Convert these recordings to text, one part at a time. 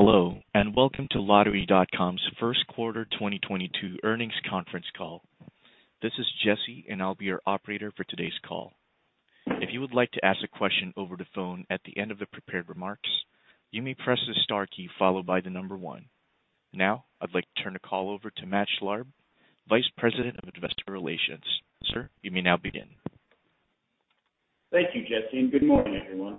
Hello, and welcome to Lottery.com's First Quarter 2022 Earnings Conference Call. This is Jesse, and I'll be your operator for today's call. If you would like to ask a question over the phone at the end of the prepared remarks, you may press the star key followed by the number one. Now, I'd like to turn the call over to Matt Schlarb, Vice President of Investor Relations. Sir, you may now begin. Thank you, Jesse, and good morning, everyone.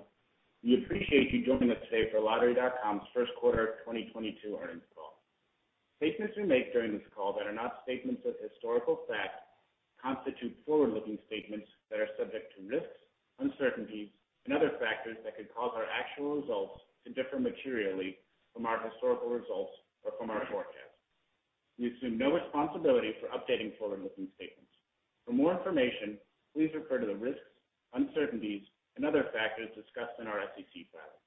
We appreciate you joining us today for Lottery.com's First Quarter of 2022 Earnings Call. Statements we make during this call that are not statements of historical fact constitute forward-looking statements that are subject to risks, uncertainties, and other factors that could cause our actual results to differ materially from our historical results or from our forecast. We assume no responsibility for updating forward-looking statements. For more information, please refer to the risks, uncertainties, and other factors discussed in our SEC filing.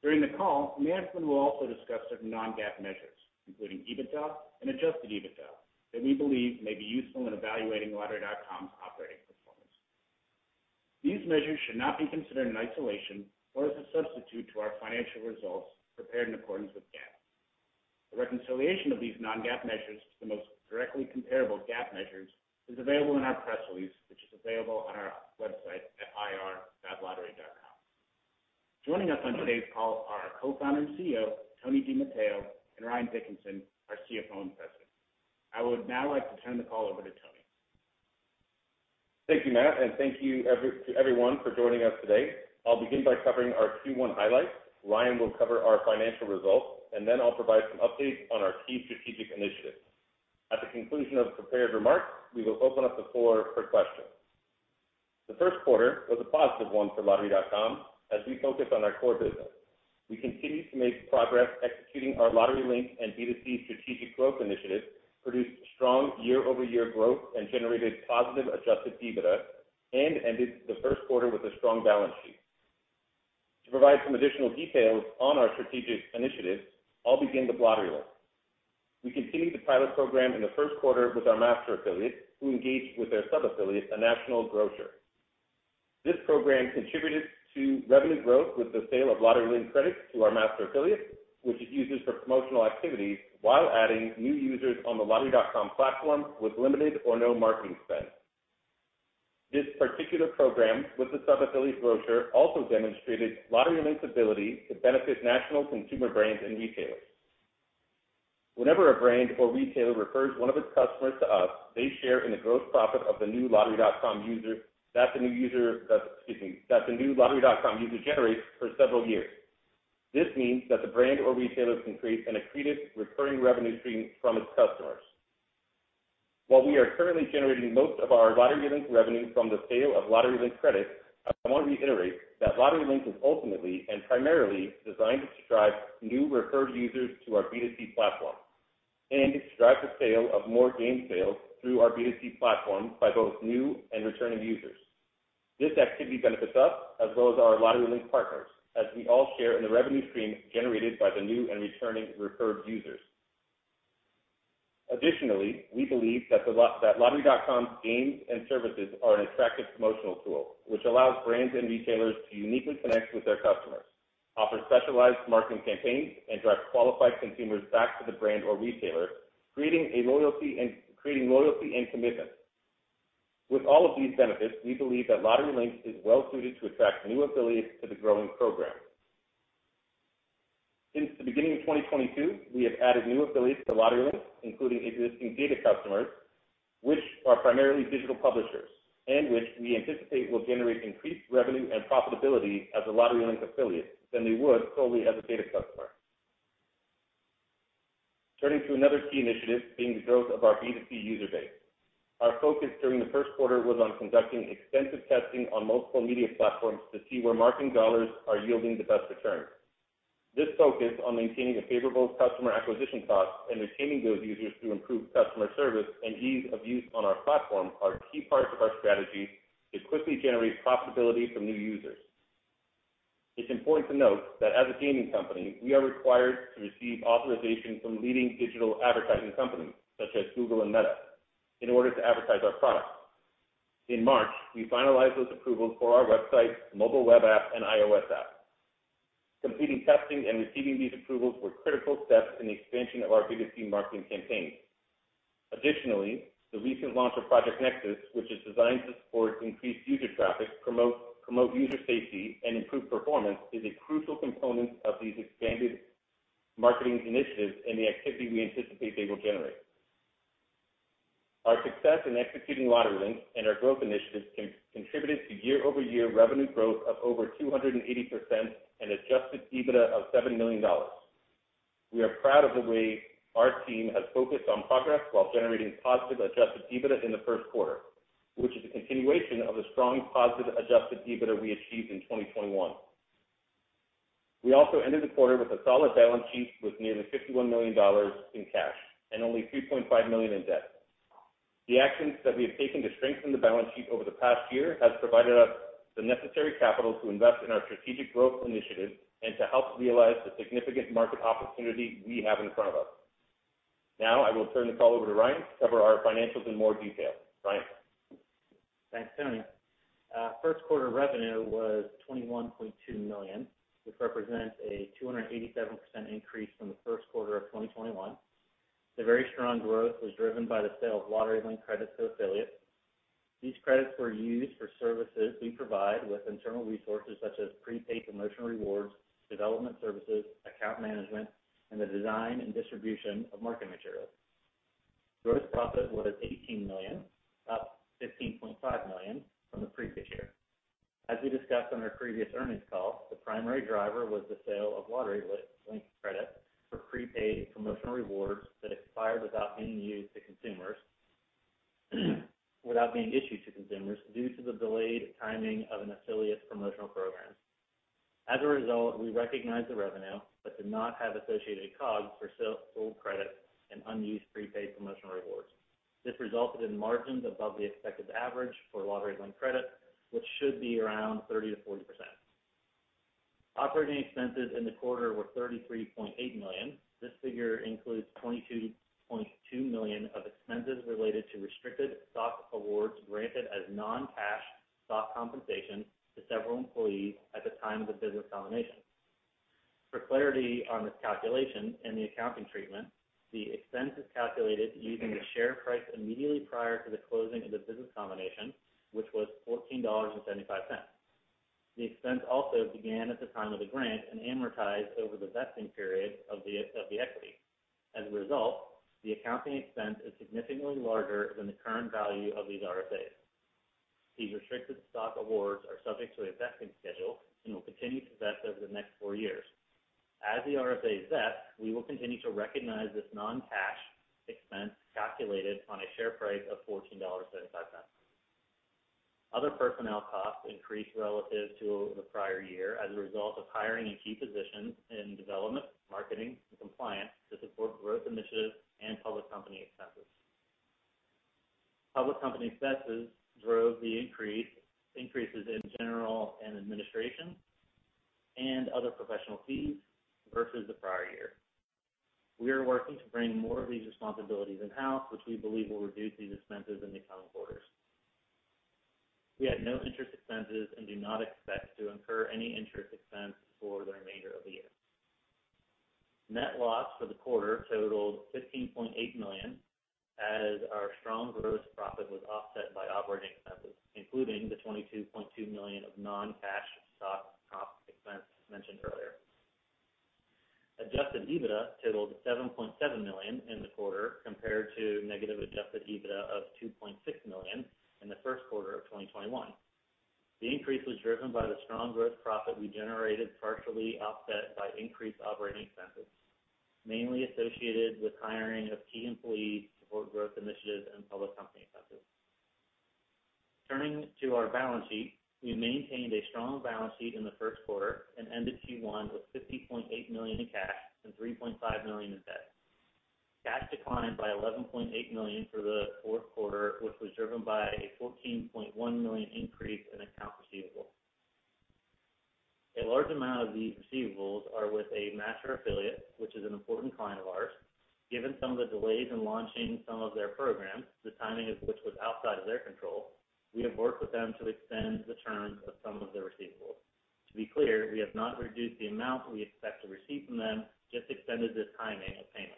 During the call, management will also discuss certain non-GAAP measures, including EBITDA and adjusted EBITDA, that we believe may be useful in evaluating Lottery.com's operating performance. These measures should not be considered in isolation or as a substitute to our financial results prepared in accordance with GAAP. A reconciliation of these non-GAAP measures to the most directly comparable GAAP measures is available in our press release, which is available on our website at ir.lottery.com. Joining us on today's call are our co-founder and CEO, Tony DiMatteo, and Ryan Dickinson, our CFO and President. I would now like to turn the call over to Tony. Thank you, Matt, and thank you to everyone for joining us today. I'll begin by covering our Q1 highlights. Ryan will cover our financial results, and then I'll provide some updates on our key strategic initiatives. At the conclusion of the prepared remarks, we will open up the floor for questions. The first quarter was a positive one for Lottery.com as we focus on our core business. We continued to make progress executing our Lottery Link and B2C strategic growth initiatives, produced strong year-over-year growth, and generated positive adjusted EBITDA and ended the first quarter with a strong balance sheet. To provide some additional details on our strategic initiatives, I'll begin with Lottery Link. We continued the pilot program in the first quarter with our master affiliates who engaged with their sub-affiliates, a national grocer. This program contributed to revenue growth with the sale of Lottery Link credits to our master affiliates, which it uses for promotional activities while adding new users on the Lottery.com platform with limited or no marketing spend. This particular program with the sub-affiliate grocer also demonstrated Lottery Link's ability to benefit national consumer brands and retailers. Whenever a brand or retailer refers one of its customers to us, they share in the gross profit of the new Lottery.com user. That's a new user that the new Lottery.com user generates for several years. This means that the brand or retailers can create an accretive recurring revenue stream from its customers. While we are currently generating most of our Lottery Link revenue from the sale of Lottery Link credits, I want to reiterate that Lottery Link is ultimately and primarily designed to drive new referred users to our B2C platform and to drive the sale of more game sales through our B2C platform by both new and returning users. This activity benefits us as well as our Lottery Link partners, as we all share in the revenue stream generated by the new and returning referred users. Additionally, we believe that Lottery.com's games and services are an attractive promotional tool, which allows brands and retailers to uniquely connect with their customers, offer specialized marketing campaigns, and drive qualified consumers back to the brand or retailer, creating loyalty and commitment. With all of these benefits, we believe that Lottery Link is well-suited to attract new affiliates to the growing program. Since the beginning of 2022, we have added new affiliates to Lottery Link, including existing data customers, which are primarily digital publishers, and which we anticipate will generate increased revenue and profitability as a Lottery Link affiliate than they would solely as a data customer. Turning to another key initiative being the growth of our B2C user base. Our focus during the first quarter was on conducting extensive testing on multiple media platforms to see where marketing dollars are yielding the best returns. This focus on maintaining a favorable customer acquisition cost and retaining those users through improved customer service and ease of use on our platform are key parts of our strategy to quickly generate profitability from new users. It's important to note that as a gaming company, we are required to receive authorization from leading digital advertising companies such as Google and Meta in order to advertise our products. In March, we finalized those approvals for our website, mobile web app, and iOS app. Completing testing and receiving these approvals were critical steps in the expansion of our B2C marketing campaigns. Additionally, the recent launch of Project Nexus, which is designed to support increased user traffic, promote user safety, and improve performance, is a crucial component of these expanded marketing initiatives and the activity we anticipate they will generate. Our success in executing Lottery Link and our growth initiatives contributed to year-over-year revenue growth of over 280% and adjusted EBITDA of $7 million. We are proud of the way our team has focused on progress while generating positive adjusted EBITDA in the first quarter, which is a continuation of the strong positive adjusted EBITDA we achieved in 2021. We also ended the quarter with a solid balance sheet with nearly $51 million in cash and only $3.5 million in debt. The actions that we have taken to strengthen the balance sheet over the past year has provided us the necessary capital to invest in our strategic growth initiatives and to help realize the significant market opportunity we have in front of us. Now, I will turn the call over to Ryan to cover our financials in more detail. Ryan? Thanks, Tony. First quarter revenue was $21.2 million, which represents a 287% increase from the first quarter of 2021. The very strong growth was driven by the sale of Lottery Link credits to affiliates. These credits were used for services we provide with internal resources such as prepaid promotional rewards, development services, account management, and the design and distribution of marketing materials. Gross profit was $18 million, up $15.5 million from the previous year. As we discussed on our previous earnings call, the primary driver was the sale of Lottery Link credits for prepaid promotional rewards that expired without being used to consumers without being issued to consumers due to the delayed timing of an affiliate promotional program. As a result, we recognized the revenue but did not have associated COGS for sold credit and unused prepaid promotional rewards. This resulted in margins above the expected average for Lottery Link credits, which should be around 30%-40%. Operating expenses in the quarter were $33.8 million. This figure includes $22.2 million of expenses related to restricted stock awards granted as non-cash stock compensation to several employees at the time of the business combination. For clarity on this calculation and the accounting treatment, the expense is calculated using the share price immediately prior to the closing of the business combination, which was $14.75. The expense also began at the time of the grant and amortized over the vesting period of the equity. As a result, the accounting expense is significantly larger than the current value of these RSAs. These restricted stock awards are subject to a vesting schedule and will continue to vest over the next four years. As the RSAs vest, we will continue to recognize this non-cash expense calculated on a share price of $14.75. Other personnel costs increased relative to the prior year as a result of hiring in key positions in development, marketing, and compliance to support growth initiatives and public company expenses. Public company expenses drove the increases in general and administrative and other professional fees versus the prior year. We are working to bring more of these responsibilities in-house, which we believe will reduce these expenses in the coming quarters. We had no interest expenses and do not expect to incur any interest expense for the remainder of the year. Net loss for the quarter totaled $15.8 million, as our strong gross profit was offset by operating expenses, including the $22.2 million of non-cash stock comp expense mentioned earlier. Adjusted EBITDA totaled $7.7 million in the quarter compared to negative adjusted EBITDA of -$2.6 million in the first quarter of 2021. The increase was driven by the strong gross profit we generated, partially offset by increased operating expenses, mainly associated with hiring of key employees to support growth initiatives and public company expenses. Turning to our balance sheet. We maintained a strong balance sheet in the first quarter and ended Q1 with $50.8 million in cash and $3.5 million in debt. Cash declined by $11.8 million for the fourth quarter, which was driven by a $14.1 million increase in accounts receivable. A large amount of these receivables are with a master affiliate, which is an important client of ours. Given some of the delays in launching some of their programs, the timing of which was outside of their control, we have worked with them to extend the terms of some of the receivables. To be clear, we have not reduced the amount we expect to receive from them, just extended the timing of payment.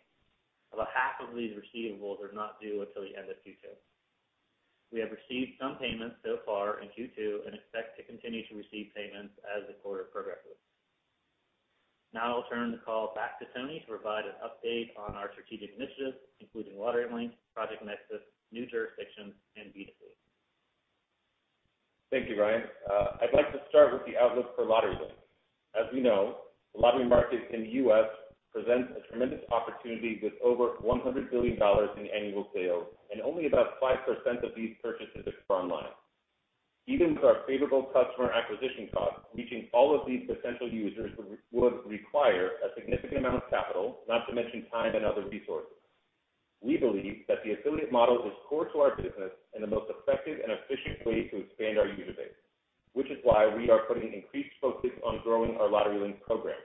About half of these receivables are not due until the end of Q2. We have received some payments so far in Q2 and expect to continue to receive payments as the quarter progresses. Now I'll turn the call back to Tony to provide an update on our strategic initiatives, including Lottery Link, Project Nexus, New Jurisdictions, and B2B. Thank you, Ryan. I'd like to start with the outlook for Lottery Link. As we know, the lottery market in the U.S. presents a tremendous opportunity with over $100 billion in annual sales and only about 5% of these purchases occur online. Even with our favorable customer acquisition costs, reaching all of these potential users would require a significant amount of capital, not to mention time and other resources. We believe that the affiliate model is core to our business and the most effective and efficient way to expand our user base, which is why we are putting increased focus on growing our Lottery Link program.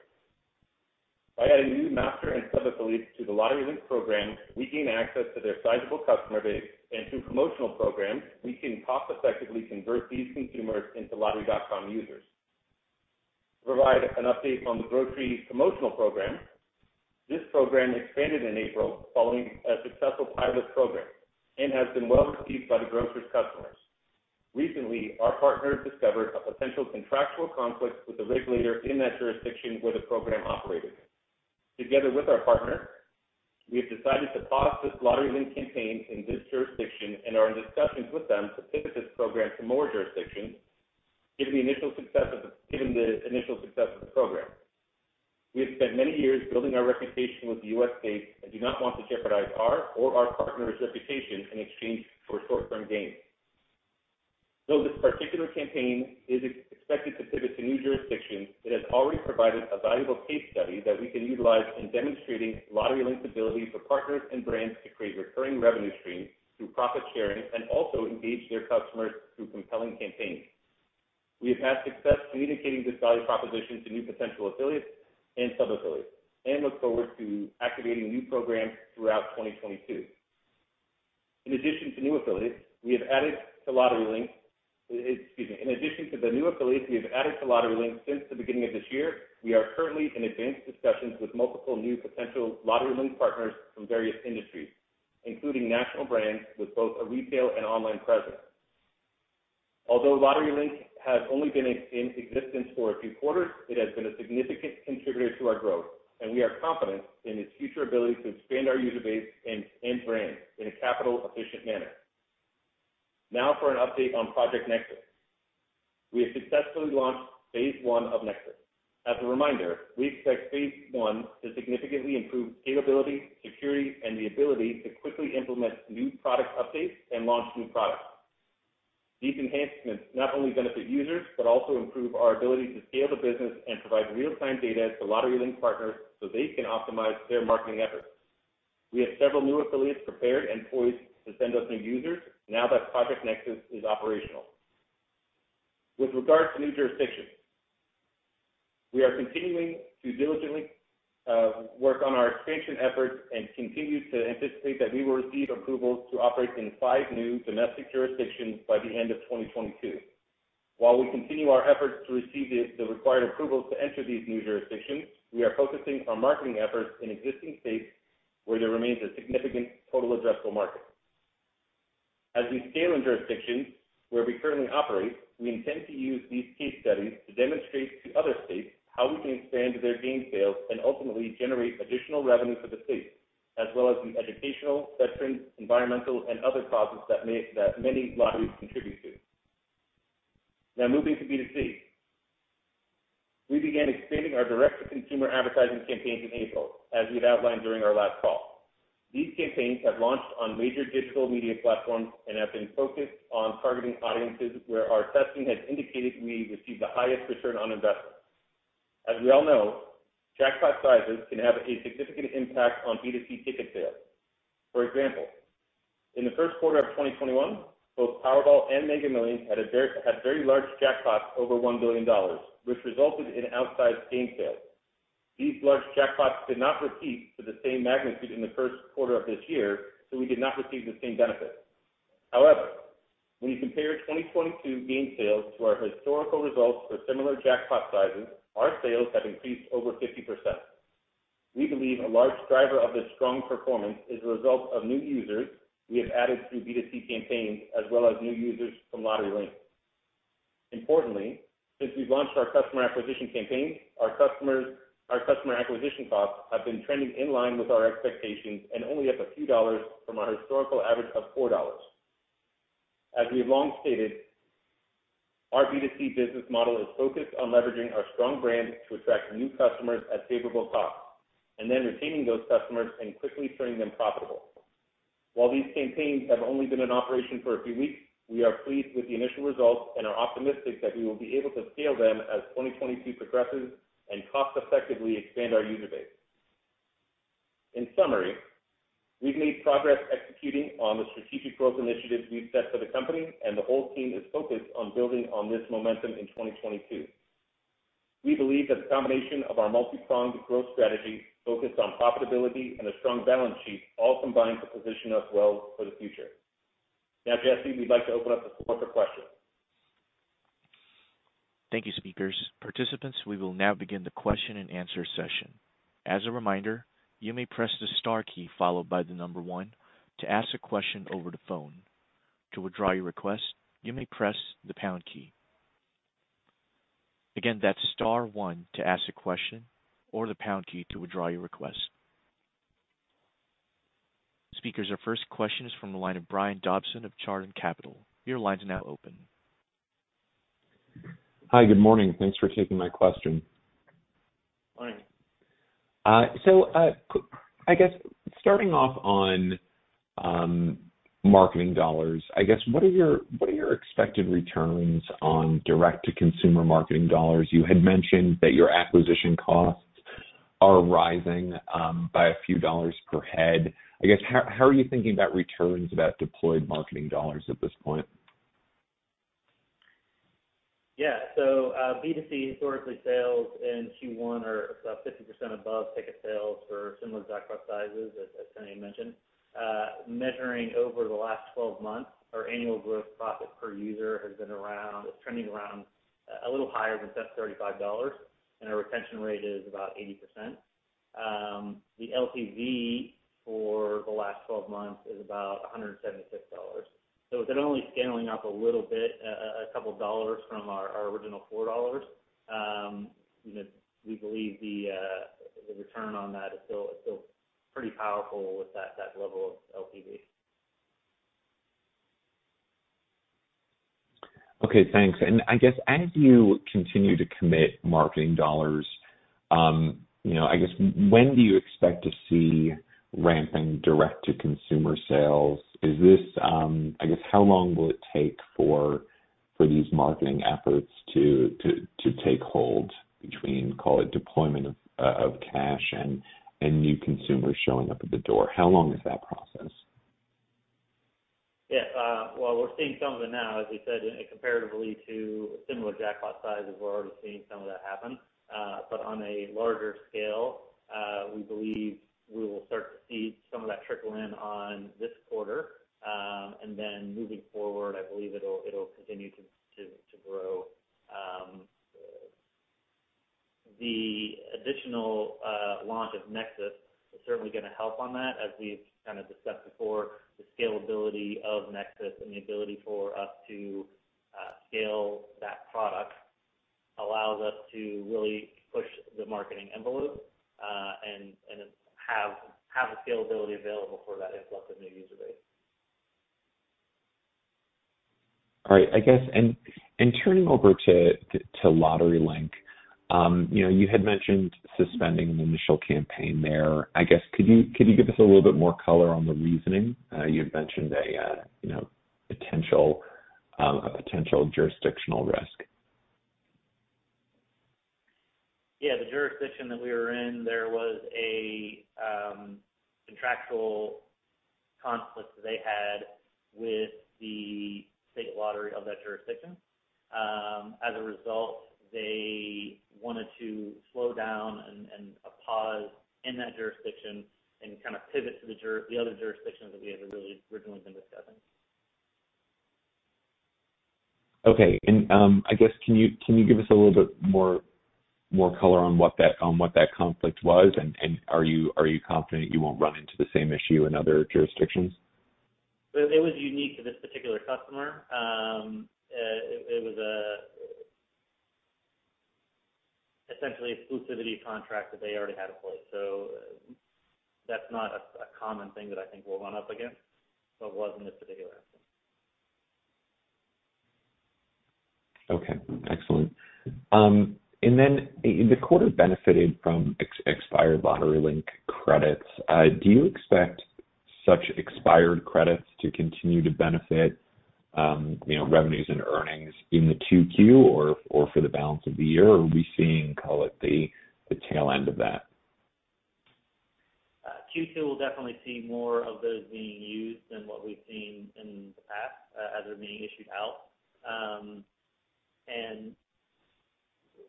By adding new master and sub-affiliates to the Lottery Link program, we gain access to their sizable customer base, and through promotional programs, we can cost effectively convert these consumers into Lottery.com users. To provide an update on the grocery promotional program. This program expanded in April following a successful pilot program and has been well received by the grocer's customers. Recently, our partners discovered a potential contractual conflict with the regulator in that jurisdiction where the program operated. Together with our partner, we have decided to pause this Lottery Link campaign in this jurisdiction and are in discussions with them to pivot this program to more jurisdictions given the initial success of the program. We have spent many years building our reputation with the U.S. states and do not want to jeopardize our or our partner's reputation in exchange for short-term gains. Though this particular campaign is expected to pivot to new jurisdictions, it has already provided a valuable case study that we can utilize in demonstrating Lottery Link's ability for partners and brands to create recurring revenue streams through profit sharing and also engage their customers through compelling campaigns. We have had success communicating this value proposition to new potential affiliates and sub-affiliates and look forward to activating new programs throughout 2022. In addition to the new affiliates we have added to LotteryLink since the beginning of this year, we are currently in advanced discussions with multiple new potential LotteryLink partners from various industries, including national brands with both a retail and online presence. Although LotteryLink has only been in existence for a few quarters, it has been a significant contributor to our growth, and we are confident in its future ability to expand our user base and brand in a capital-efficient manner. Now for an update on Project Nexus. We have successfully launched phase one of Nexus. As a reminder, we expect phase one to significantly improve scalability, security, and the ability to quickly implement new product updates and launch new products. These enhancements not only benefit users, but also improve our ability to scale the business and provide real-time data to LotteryLink partners so they can optimize their marketing efforts. We have several new affiliates prepared and poised to send us new users now that Project Nexus is operational. With regard to new jurisdictions, we are continuing to diligently work on our expansion efforts and continue to anticipate that we will receive approvals to operate in five new domestic jurisdictions by the end of 2022. While we continue our efforts to receive the required approvals to enter these new jurisdictions, we are focusing our marketing efforts in existing states where there remains a significant total addressable market. As we scale in jurisdictions where we currently operate, we intend to use these case studies to demonstrate to other states how we can expand their game sales and ultimately generate additional revenue for the state, as well as the educational, veteran, environmental, and other causes that that many lotteries contribute to. Now moving to B2C. We began expanding our direct-to-consumer advertising campaigns in April, as we've outlined during our last call. These campaigns have launched on major digital media platforms and have been focused on targeting audiences where our testing has indicated we receive the highest return on investment. As we all know, jackpot sizes can have a significant impact on B2C ticket sales. For example, in the first quarter of 2021, both Powerball and Mega Millions had very large jackpots over $1 billion, which resulted in outsized game sales. These large jackpots did not repeat to the same magnitude in the first quarter of this year, so we did not receive the same benefit. However, when you compare 2022 game sales to our historical results for similar jackpot sizes, our sales have increased over 50%. We believe a large driver of this strong performance is a result of new users we have added through B2C campaigns, as well as new users from LotteryLink. Importantly, since we've launched our customer acquisition campaign, our customer acquisition costs have been trending in line with our expectations and only up a few dollars from our historical average of $4. As we've long stated, our B2C business model is focused on leveraging our strong brand to attract new customers at favorable costs, and then retaining those customers and quickly turning them profitable. While these campaigns have only been in operation for a few weeks, we are pleased with the initial results and are optimistic that we will be able to scale them as 2022 progresses and cost effectively expand our user base. In summary, we've made progress executing on the strategic growth initiatives we've set for the company, and the whole team is focused on building on this momentum in 2022. We believe that the combination of our multi-pronged growth strategy focused on profitability and a strong balance sheet all combine to position us well for the future. Now, Jesse, we'd like to open up the floor for questions. Thank you, speakers. Participants, we will now begin the question-and-answer session. As a reminder, you may press the star key followed by the number one to ask a question over the phone. To withdraw your request, you may press the pound key. Again, that's star one to ask a question or the pound key to withdraw your request. Speakers, our first question is from the line of Brian Dobson of Chardan Capital. Your line is now open. Hi. Good morning. Thanks for taking my question. Morning. I guess starting off on marketing dollars, I guess, what are your expected returns on direct-to-consumer marketing dollars? You had mentioned that your acquisition costs are rising by a few dollars per head. I guess, how are you thinking about returns on deployed marketing dollars at this point? Yeah. B2C historically sales in Q1 are about 50% above ticket sales for similar jackpot sizes, as Tony mentioned. Measuring over the last 12 months, our annual gross profit per user is trending around a little higher than just $35, and our retention rate is about 80%. The LTV for the last 12 months is about $176. It's only scaling up a little bit, a couple dollars from our original $4, you know, we believe the return on that is still pretty powerful with that level of LTV. Okay, thanks. I guess as you continue to commit marketing dollars, you know, I guess, when do you expect to see ramping direct-to-consumer sales? I guess how long will it take for these marketing efforts to take hold between, call it, deployment of cash and new consumers showing up at the door? How long is that process? Yes. Well, we're seeing some of it now. As we said, comparatively to similar jackpot sizes, we're already seeing some of that happen. But on a larger scale, we believe we will start to see some of that trickle in on this quarter. Moving forward, I believe it'll continue to grow. The additional launch of Nexus is certainly gonna help on that. As we've kind of discussed before, the scalability of Nexus and the ability for us to scale that product allows us to really push the marketing envelope and have the scalability available for that influx of new user base. All right. I guess turning over to LotteryLink, you know, you had mentioned suspending the initial campaign there. I guess, could you give us a little bit more color on the reasoning? You had mentioned a, you know, potential jurisdictional risk. Yeah. The jurisdiction that we were in there was a contractual conflict that they had with the state lottery of that jurisdiction. As a result, they wanted to slow down and pause in that jurisdiction and kinda pivot to the other jurisdictions that we had really originally been discussing. Okay. I guess can you give us a little bit more color on what that conflict was? Are you confident you won't run into the same issue in other jurisdictions? It was unique to this particular customer. It was an essentially exclusivity contract that they already had in place. That's not a common thing that I think we'll run up against but was in this particular instance. Okay. Excellent. Then the quarter benefited from expired LotteryLink credits. Do you expect such expired credits to continue to benefit, you know, revenues and earnings in the Q2 or for the balance of the year? Or are we seeing, call it, the tail end of that? Q2 will definitely see more of those being used than what we've seen in the past, as they're being issued out. You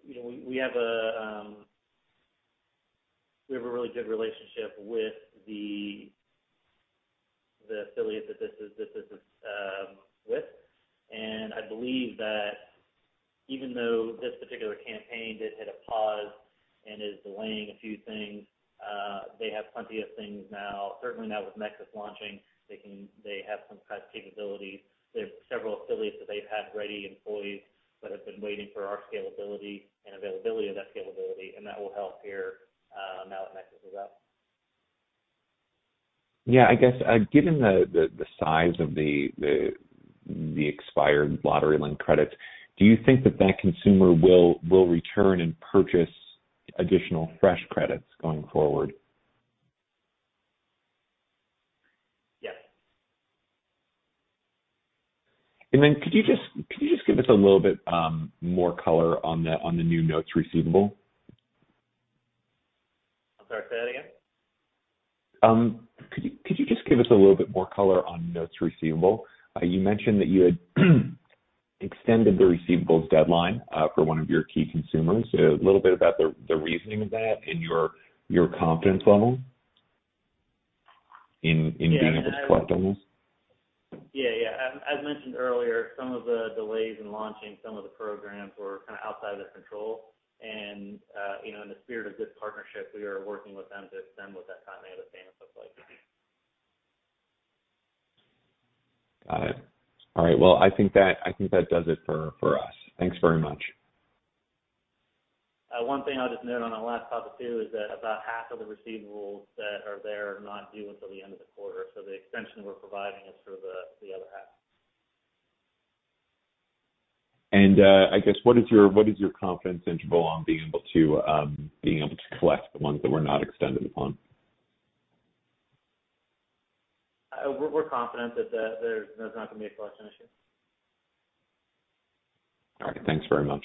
know, we have a really good relationship with the affiliate that this is with. I believe that even though this particular campaign did hit a pause and is delaying a few things, they have plenty of things now. Certainly now with Nexus launching, they have some capabilities. There's several affiliates that they've had ready employees that have been waiting for our scalability and availability of that scalability, and that will help here, now with Nexus as well. Yeah. I guess, given the size of the expired LotteryLink credits, do you think that consumer will return and purchase additional fresh credits going forward? Yes. Could you just give us a little bit more color on the new notes receivable? I'm sorry, say that again. Could you just give us a little bit more color on notes receivable? You mentioned that you had extended the receivables deadline for one of your key consumers. A little bit about the reasoning of that and your confidence level in being able to collect on those. Yeah. Yeah. As mentioned earlier, some of the delays in launching some of the programs were kinda outside of their control. You know, in the spirit of this partnership, we are working with them to extend what that time they have to stand looks like. Got it. All right. Well, I think that does it for us. Thanks very much. One thing I'll just note on the last topic too is that about half of the receivables that are there are not due until the end of the quarter. The extension we're providing is for the other half. I guess what is your confidence interval on being able to collect the ones that were not extended upon? We're confident that there's not gonna be a collection issue. All right. Thanks very much.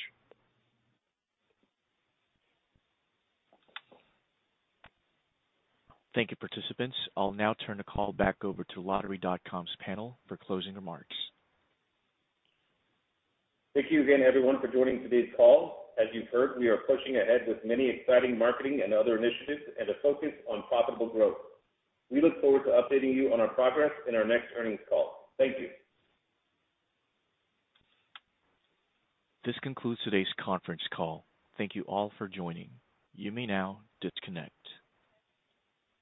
Thank you, participants. I'll now turn the call back over to Lottery.com's panel for closing remarks. Thank you again, everyone, for joining today's call. As you've heard, we are pushing ahead with many exciting marketing and other initiatives and a focus on profitable growth. We look forward to updating you on our progress in our next earnings call. Thank you. This concludes today's conference call. Thank you all for joining. You may now disconnect.